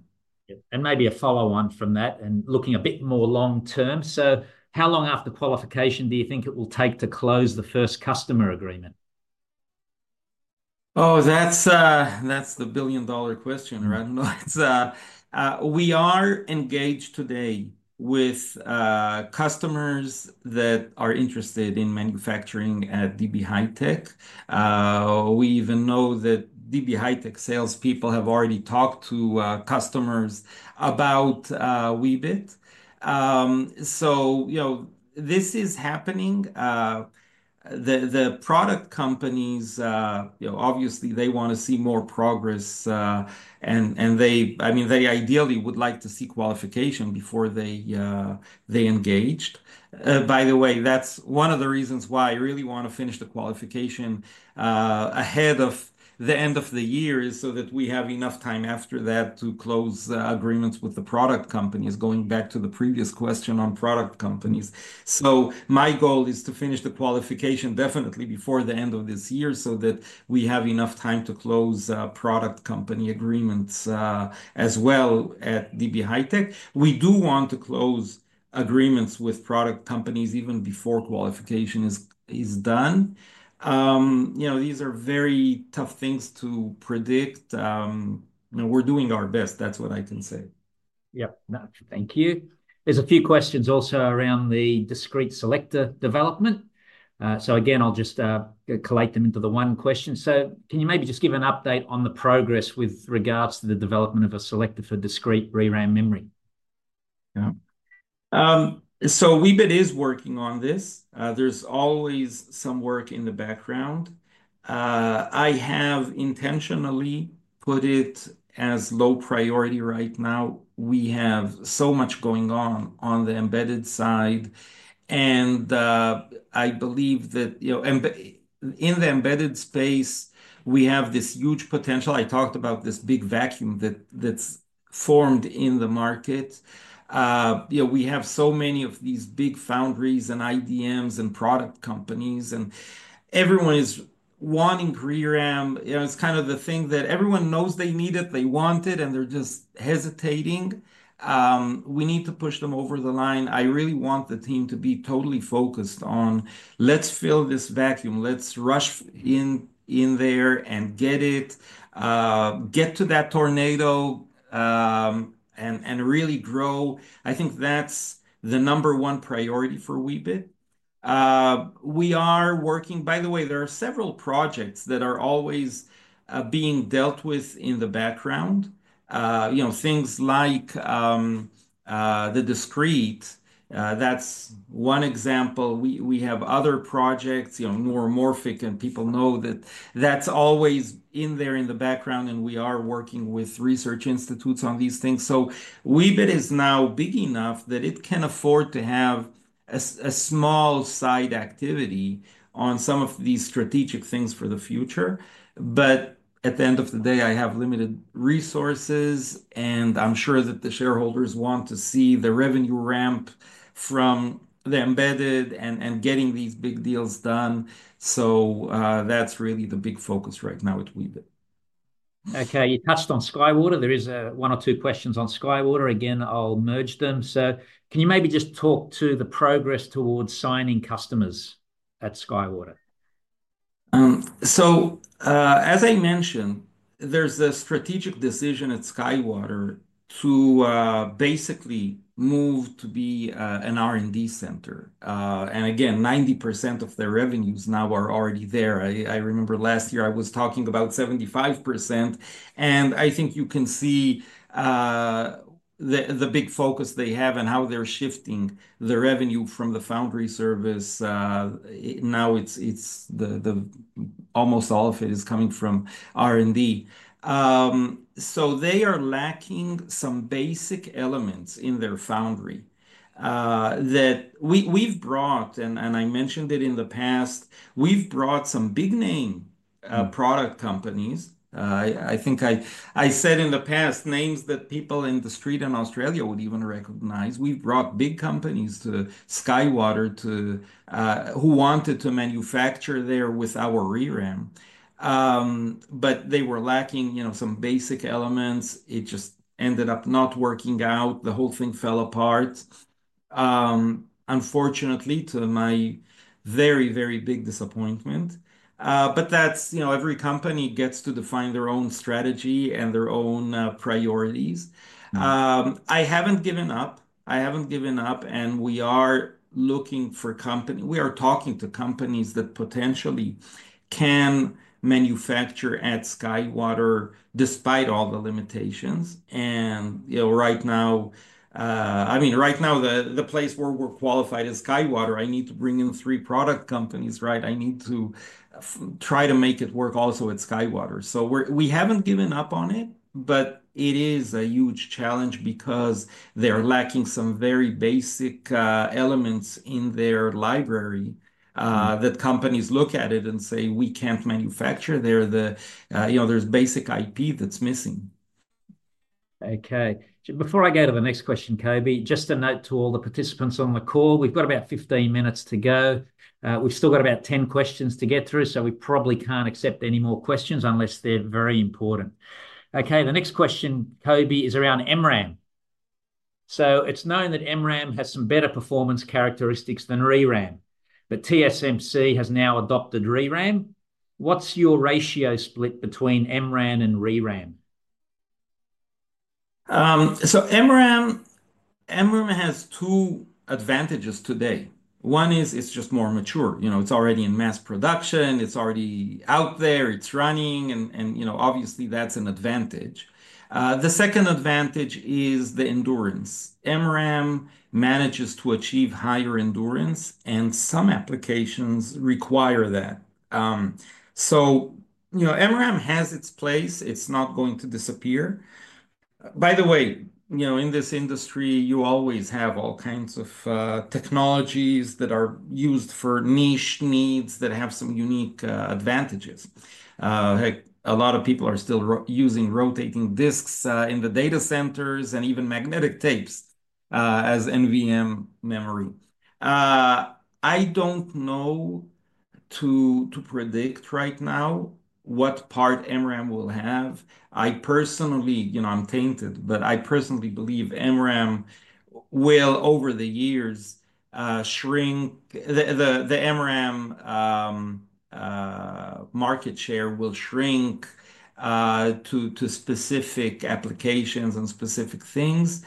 Maybe a follow-on from that and looking a bit more long-term. So how long after qualification do you think it will take to close the first customer agreement? Oh, that's the billion-dollar question, right? We are engaged today with customers that are interested in manufacturing at DB HiTek. We even know that DB HiTek salespeople have already talked to customers about Weebit. So this is happening. The product companies, obviously, they want to see more progress. And I mean, they ideally would like to see qualification before they engaged. By the way, that's one of the reasons why I really want to finish the qualification ahead of the end of the year is so that we have enough time after that to close agreements with the product companies. Going back to the previous question on product companies, so my goal is to finish the qualification definitely before the end of this year so that we have enough time to close product company agreements as well at DB HiTek. We do want to close agreements with product companies even before qualification is done. These are very tough things to predict. We're doing our best. That's what I can say. Yep. Thank you. There's a few questions also around the discrete selector development. So again, I'll just collate them into the one question. So can you maybe just give an update on the progress with regards to the development of a selector for discrete ReRAM memory? So Weebit is working on this. There's always some work in the background. I have intentionally put it as low priority right now. We have so much going on on the embedded side. I believe that in the embedded space, we have this huge potential. I talked about this big vacuum that's formed in the market. We have so many of these big foundries and IDMs and product companies, and everyone is wanting ReRAM. It's kind of the thing that everyone knows they need it, they want it, and they're just hesitating. We need to push them over the line. I really want the team to be totally focused on, "Let's fill this vacuum. Let's rush in there and get it, get to that tornado, and really grow." I think that's the number one priority for Weebit. We are working. By the way, there are several projects that are always being dealt with in the background. Things like the discrete, that's one example. We have other projects, neuromorphic, and people know that that's always in there in the background. We are working with research institutes on these things. So Weebit is now big enough that it can afford to have a small side activity on some of these strategic things for the future. But at the end of the day, I have limited resources, and I'm sure that the shareholders want to see the revenue ramp from the embedded and getting these big deals done. So that's really the big focus right now at Weebit. Okay. You touched on SkyWater. There is one or two questions on SkyWater. Again, I'll merge them. So can you maybe just talk to the progress towards signing customers at SkyWater? So as I mentioned, there's a strategic decision at SkyWater to basically move to be an R&D center. And again, 90% of their revenues now are already there. I remember last year I was talking about 75%. I think you can see the big focus they have and how they're shifting the revenue from the foundry service. Now, almost all of it is coming from R&D. So they are lacking some basic elements in their foundry that we've brought. And I mentioned it in the past. We've brought some big-name product companies. I think I said in the past names that people in the street in Australia would even recognize. We've brought big companies to SkyWater who wanted to manufacture there with our ReRAM. But they were lacking some basic elements. It just ended up not working out. The whole thing fell apart, unfortunately, to my very, very big disappointment. But every company gets to define their own strategy and their own priorities. I haven't given up. I haven't given up. And we are looking for company. We are talking to companies that potentially can manufacture at SkyWater despite all the limitations. And right now, I mean, right now, the place where we're qualified is SkyWater. I need to bring in three product companies, right? I need to try to make it work also at SkyWater. So we haven't given up on it, but it is a huge challenge because they're lacking some very basic elements in their library that companies look at it and say, "We can't manufacture there." There's basic IP that's missing. Okay. Before I go to the next question, Coby, just a note to all the participants on the call. We've got about 15 minutes to go. We've still got about 10 questions to get through, so we probably can't accept any more questions unless they're very important. Okay. The next question, Coby, is around MRAM. It's known that MRAM has some better performance characteristics than ReRAM, but TSMC has now adopted ReRAM. What's your ratio split between MRAM and ReRAM? MRAM has two advantages today. One is it's just more mature. It's already in mass production. It's already out there. It's running. And obviously, that's an advantage. The second advantage is the endurance. MRAM manages to achieve higher endurance, and some applications require that. MRAM has its place. It's not going to disappear. By the way, in this industry, you always have all kinds of technologies that are used for niche needs that have some unique advantages. A lot of people are still using rotating disks in the data centers and even magnetic tapes as NVM memory. I don't know how to predict right now what part MRAM will have. I personally, I'm tainted, but I personally believe MRAM will, over the years, the MRAM market share will shrink to specific applications and specific things.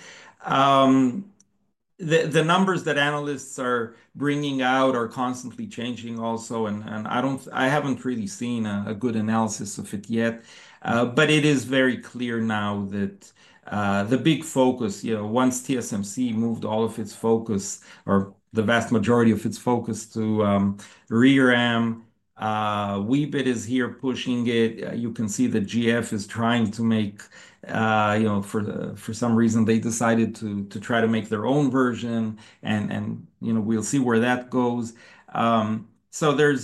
The numbers that analysts are bringing out are constantly changing also, and I haven't really seen a good analysis of it yet. But it is very clear now that the big focus, once TSMC moved all of its focus or the vast majority of its focus to ReRAM, Weebit is here pushing it. You can see that GF is trying to make, for some reason, they decided to try to make their own version, and we'll see where that goes, so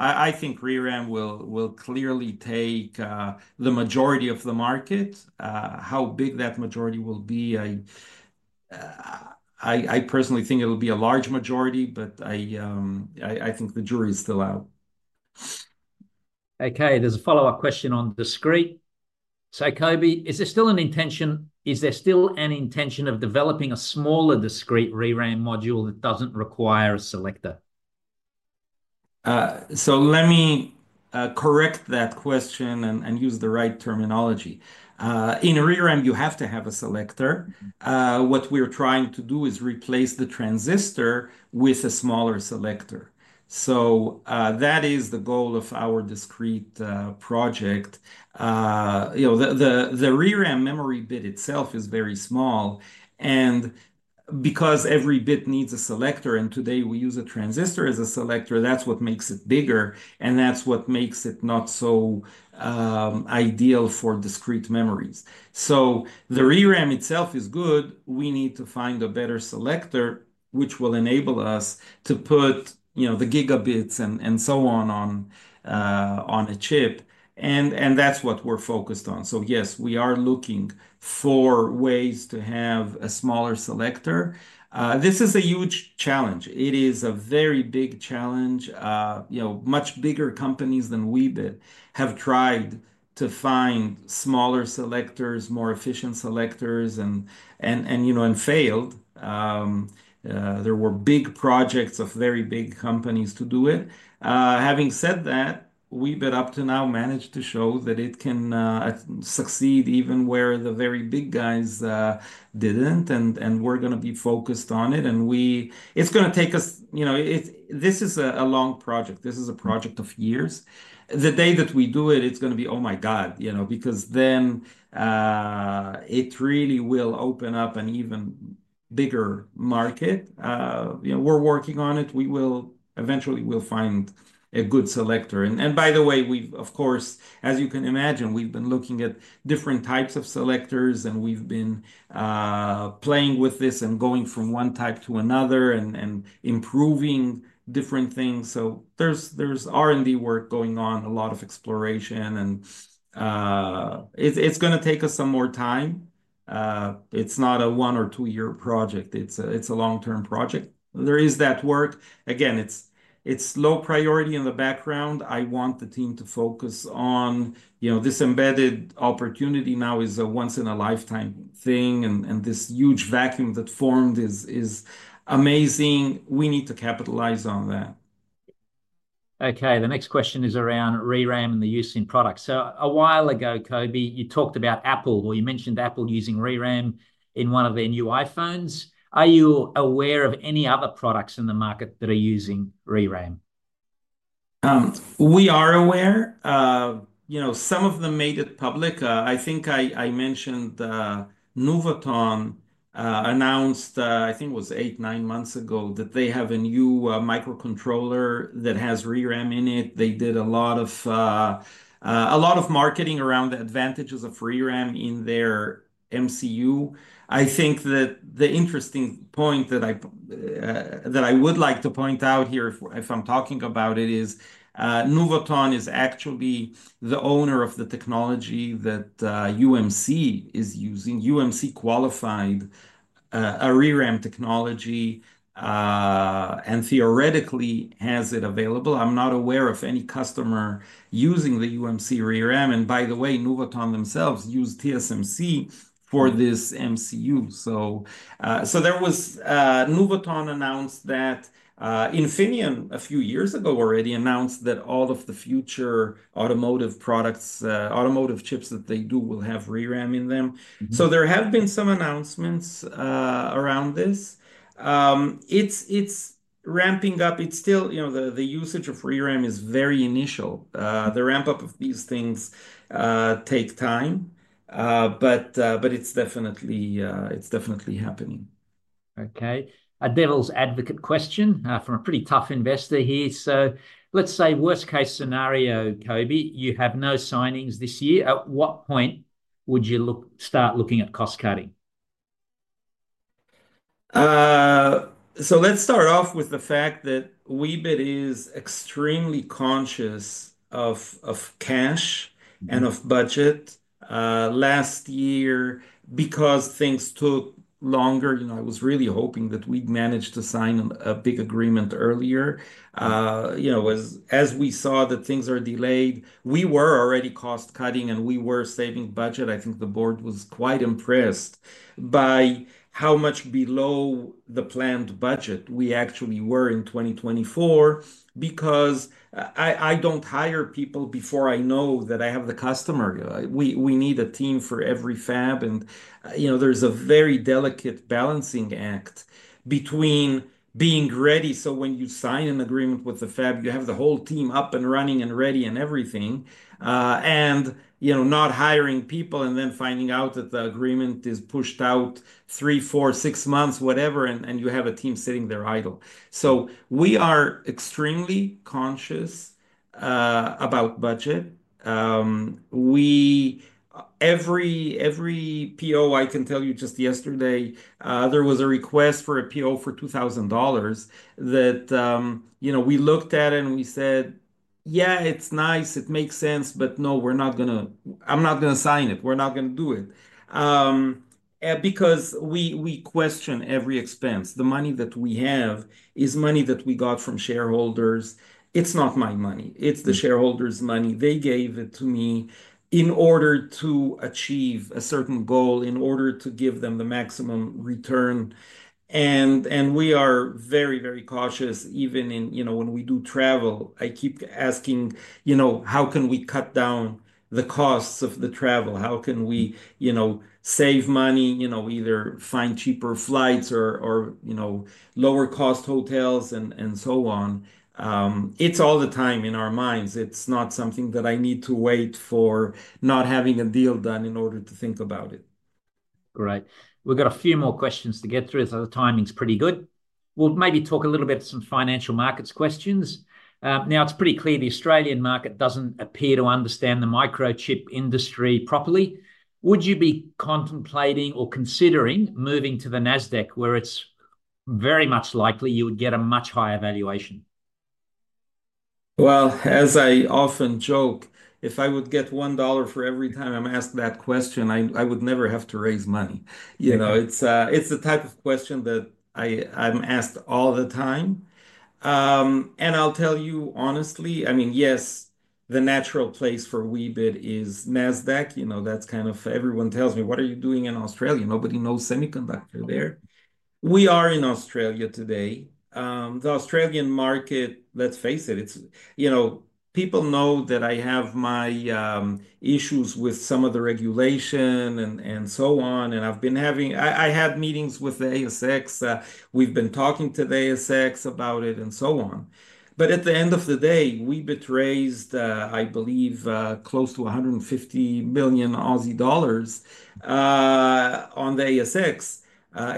I think ReRAM will clearly take the majority of the market. How big that majority will be, I personally think it'll be a large majority, but I think the jury is still out. Okay. There's a follow-up question on discrete. So Coby, is there still an intention? Is there still an intention of developing a smaller discrete ReRAM module that doesn't require a selector? So let me correct that question and use the right terminology. In ReRAM, you have to have a selector. What we're trying to do is replace the transistor with a smaller selector. So that is the goal of our discrete project. The ReRAM memory bit itself is very small. And because every bit needs a selector, and today we use a transistor as a selector, that's what makes it bigger. And that's what makes it not so ideal for discrete memories. So the ReRAM itself is good. We need to find a better selector, which will enable us to put the gigabits and so on on a chip. And that's what we're focused on. So yes, we are looking for ways to have a smaller selector. This is a huge challenge. It is a very big challenge. Much bigger companies than Weebit have tried to find smaller selectors, more efficient selectors, and failed. There were big projects of very big companies to do it. Having said that, Weebit up to now managed to show that it can succeed even where the very big guys didn't. We are going to be focused on it. It is going to take us. This is a long project. This is a project of years. The day that we do it, it is going to be, "Oh my God," because then it really will open up an even bigger market. We are working on it. Eventually, we will find a good selector. And by the way, of course, as you can imagine, we've been looking at different types of selectors, and we've been playing with this and going from one type to another and improving different things. So there's R&D work going on, a lot of exploration. And it's going to take us some more time. It's not a one- or two-year project. It's a long-term project. There is that work. Again, it's low priority in the background. I want the team to focus on this embedded opportunity. Now is a once-in-a-lifetime thing. And this huge vacuum that formed is amazing. We need to capitalize on that. Okay. The next question is around ReRAM and the use in products. So a while ago, Coby, you talked about Apple or you mentioned Apple using ReRAM in one of their new iPhones. Are you aware of any other products in the market that are using ReRAM? We are aware. Some of them made it public. I think I mentioned Nuvoton announced, I think it was eight, nine months ago, that they have a new microcontroller that has ReRAM in it. They did a lot of marketing around the advantages of ReRAM in their MCU. I think that the interesting point that I would like to point out here if I'm talking about it is Nuvoton is actually the owner of the technology that UMC is using. UMC qualified a ReRAM technology and theoretically has it available. I'm not aware of any customer using the UMC ReRAM. And by the way, Nuvoton themselves use TSMC for this MCU. Nuvoton announced that Infineon, a few years ago, already announced that all of the future automotive chips that they do will have ReRAM in them. So there have been some announcements around this. It's ramping up. The usage of ReRAM is very initial. The ramp-up of these things takes time. But it's definitely happening. Okay. A devil's advocate question from a pretty tough investor here. So let's say worst-case scenario, Coby, you have no signings this year. At what point would you start looking at cost-cutting? So let's start off with the fact that Weebit is extremely conscious of cash and of budget. Last year, because things took longer, I was really hoping that we'd managed to sign a big agreement earlier. As we saw that things are delayed, we were already cost-cutting, and we were saving budget. I think the board was quite impressed by how much below the planned budget we actually were in 2024 because I don't hire people before I know that I have the customer. We need a team for every fab, and there's a very delicate balancing act between being ready, so when you sign an agreement with the fab, you have the whole team up and running and ready and everything, and not hiring people and then finding out that the agreement is pushed out three, four, six months, whatever, and you have a team sitting there idle. So we are extremely conscious about budget. Every PO, I can tell you just yesterday, there was a request for a PO for $2,000 that we looked at and we said, "Yeah, it's nice. It makes sense. But no, I'm not going to sign it. We're not going to do it." Because we question every expense. The money that we have is money that we got from shareholders. It's not my money. It's the shareholders' money. They gave it to me in order to achieve a certain goal, in order to give them the maximum return. And we are very, very cautious. Even when we do travel, I keep asking, "How can we cut down the costs of the travel? How can we save money, either find cheaper flights or lower-cost hotels and so on?" It's all the time in our minds. It's not something that I need to wait for not having a deal done in order to think about it. Right. We've got a few more questions to get through. The timing's pretty good. We'll maybe talk a little bit of some financial markets questions. Now, it's pretty clear the Australian market doesn't appear to understand the microchip industry properly. Would you be contemplating or considering moving to the Nasdaq where it's very much likely you would get a much higher valuation? Well, as I often joke, if I would get $1 for every time I'm asked that question, I would never have to raise money. It's the type of question that I'm asked all the time. And I'll tell you honestly, I mean, yes, the natural place for Weebit is Nasdaq. That's kind of everyone tells me, "What are you doing in Australia? Nobody knows semiconductor there." We are in Australia today. The Australian market, let's face it, people know that I have my issues with some of the regulation and so on. And I've had meetings with the ASX. We've been talking to the ASX about it and so on. But at the end of the day, Weebit raised, I believe, close to 150 million Aussie dollars on the ASX.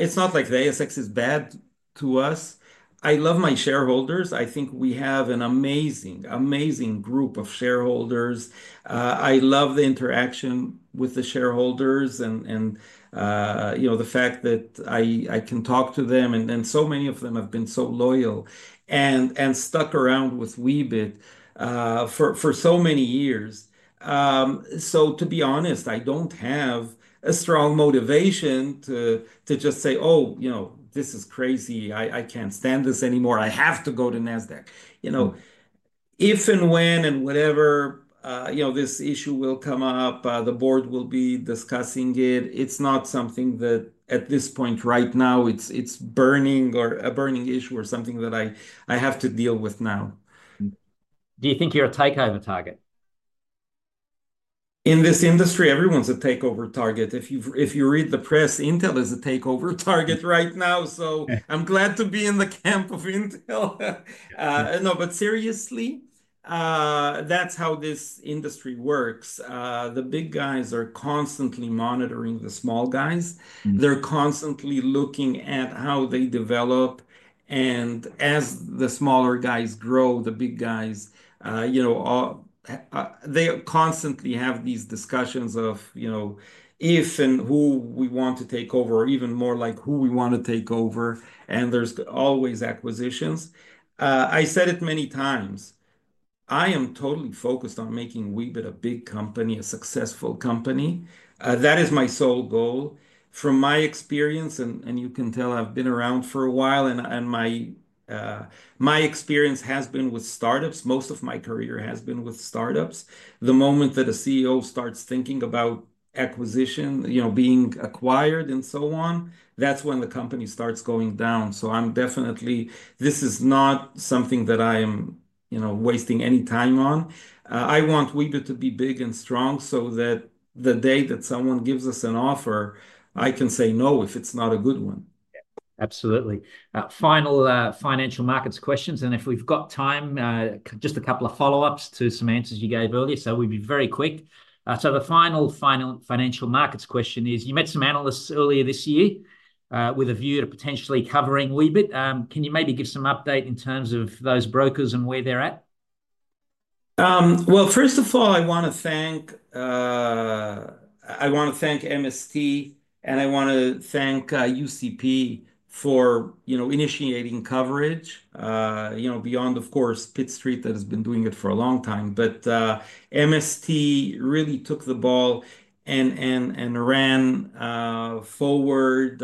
It's not like the ASX is bad to us. I love my shareholders. I think we have an amazing, amazing group of shareholders. I love the interaction with the shareholders and the fact that I can talk to them. And so many of them have been so loyal and stuck around with Weebit for so many years. So to be honest, I don't have a strong motivation to just say, "Oh, this is crazy. I can't stand this anymore. I have to go to Nasdaq." If and when and whatever this issue will come up, the board will be discussing it. It's not something that at this point right now, it's burning or a burning issue or something that I have to deal with now. Do you think you're a takeover target? In this industry, everyone's a takeover target. If you read the press, Intel is a takeover target right now. So I'm glad to be in the camp of Intel. No, but seriously, that's how this industry works. The big guys are constantly monitoring the small guys. They're constantly looking at how they develop. And as the smaller guys grow, the big guys, they constantly have these discussions of if and who we want to take over or even more like who we want to take over. And there's always acquisitions. I said it many times. I am totally focused on making Weebit a big company, a successful company. That is my sole goal. From my experience, and you can tell I've been around for a while, and my experience has been with startups. Most of my career has been with startups. The moment that a CEO starts thinking about acquisition, being acquired, and so on, that's when the company starts going down. So this is not something that I am wasting any time on. I want Weebit to be big and strong so that the day that someone gives us an offer, I can say no if it's not a good one. Absolutely. Final financial markets questions. And if we've got time, just a couple of follow-ups to some answers you gave earlier. So we'll be very quick. So the final financial markets question is, you met some analysts earlier this year with a view to potentially covering Weebit. Can you maybe give some update in terms of those brokers and where they're at? Well, first of all, I want to thank MST, and I want to thank UCP for initiating coverage beyond, of course, Pitt Street that has been doing it for a long time. But MST really took the ball and ran forward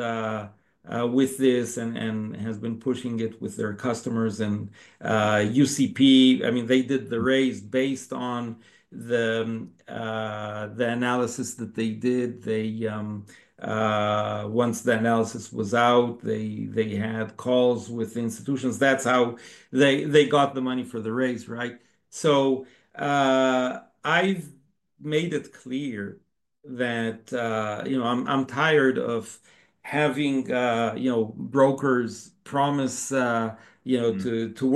with this and has been pushing it with their customers. And UCP, I mean, they did the raise based on the analysis that they did. Once the analysis was out, they had calls with institutions. That's how they got the money for the raise, right? So I've made it clear that I'm tired of having brokers promise to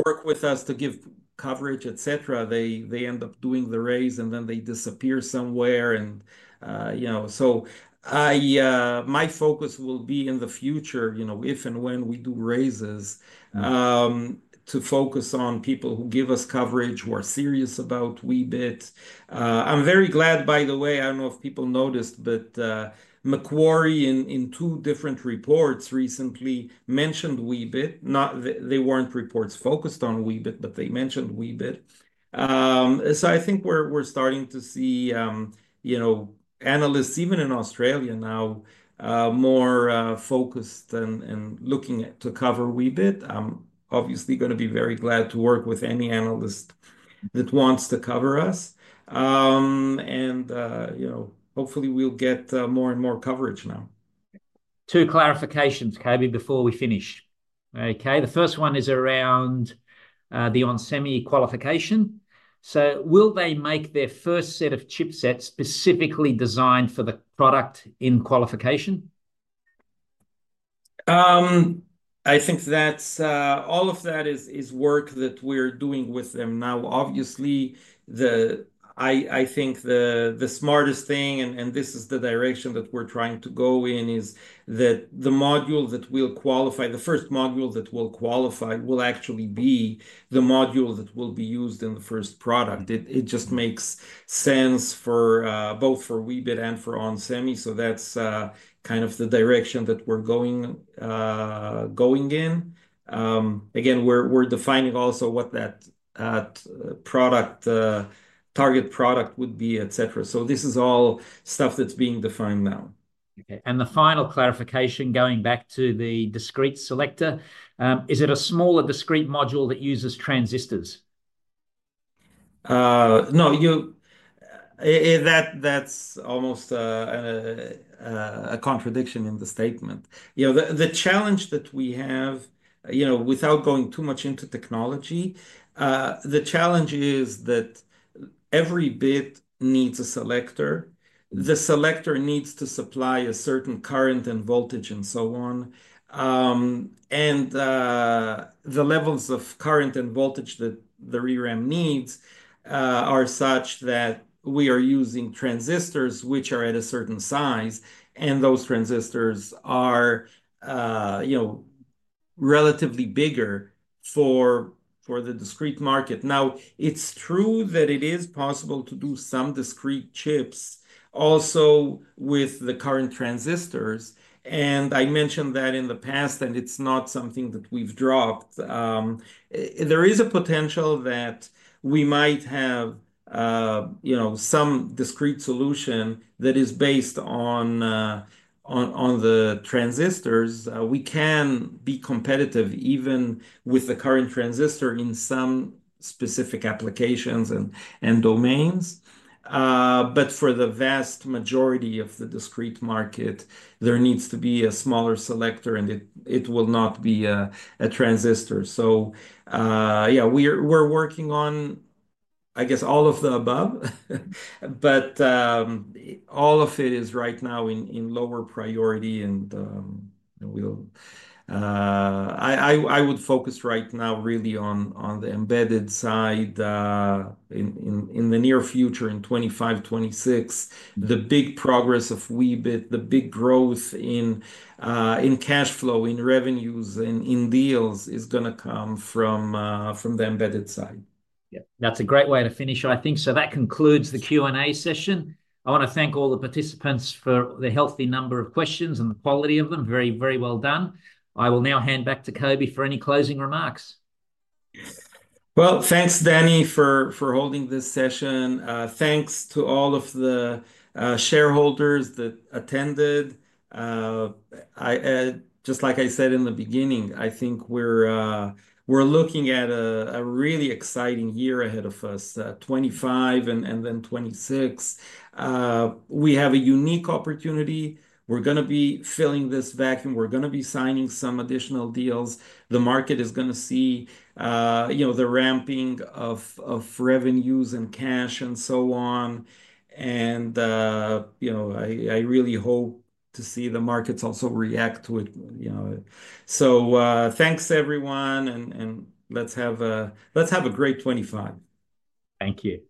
work with us, to give coverage, etc. They end up doing the raise, and then they disappear somewhere. And so my focus will be in the future, if and when we do raises, to focus on people who give us coverage, who are serious about Weebit. I'm very glad, by the way. I don't know if people noticed, but Macquarie, in two different reports recently, mentioned Weebit. They weren't reports focused on Weebit, but they mentioned Weebit, so I think we're starting to see analysts, even in Australia now, more focused and looking to cover Weebit. I'm obviously going to be very glad to work with any analyst that wants to cover us, and hopefully, we'll get more and more coverage now. Two clarifications, Coby, before we finish. Okay. The first one is around the onsemi qualification. So will they make their first set of chipsets specifically designed for the product in qualification? I think all of that is work that we're doing with them now. Obviously, I think the smartest thing, and this is the direction that we're trying to go in, is that the module that will qualify, the first module that will qualify, will actually be the module that will be used in the first product. It just makes sense both for Weebit and for onsemi. So that's kind of the direction that we're going in. Again, we're defining also what that target product would be, etc. So this is all stuff that's being defined now. Okay. And the final clarification going back to the discrete selector, is it a smaller discrete module that uses transistors? No, that's almost a contradiction in the statement. The challenge that we have, without going too much into technology, the challenge is that every bit needs a selector. The selector needs to supply a certain current and voltage and so on. And the levels of current and voltage that the ReRAM needs are such that we are using transistors which are at a certain size, and those transistors are relatively bigger for the discrete market. Now, it's true that it is possible to do some discrete chips also with the current transistors. And I mentioned that in the past, and it's not something that we've dropped. There is a potential that we might have some discrete solution that is based on the transistors. We can be competitive even with the current transistor in some specific applications and domains. But for the vast majority of the discrete market, there needs to be a smaller selector, and it will not be a transistor. So yeah, we're working on, I guess, all of the above. But all of it is right now in lower priority. And I would focus right now really on the embedded side. In the near future, in 2025, 2026, the big progress of Weebit, the big growth in cash flow, in revenues, and in deals is going to come from the embedded side. Yeah. That's a great way to finish, I think. So that concludes the Q&A session. I want to thank all the participants for the healthy number of questions and the quality of them. Very, very well done. I will now hand back to Coby for any closing remarks. Well, thanks, Danny, for holding this session. Thanks to all of the shareholders that attended. Just like I said in the beginning, I think we're looking at a really exciting year ahead of us, 2025 and then 2026. We have a unique opportunity. We're going to be filling this vacuum. We're going to be signing some additional deals. The market is going to see the ramping of revenues and cash and so on. And I really hope to see the markets also react to it. So thanks, everyone. And let's have a great 2025. Thank you.